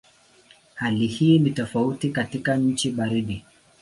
Hali hii ni tofauti katika nchi baridi.